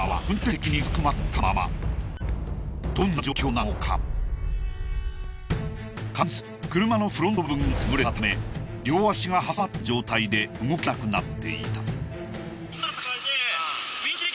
確認すると車のフロント部分が潰れたため両足が挟まった状態で動けなくなっていた。